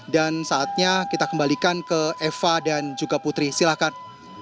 saatnya kita kembalikan ke eva dan juga putri silahkan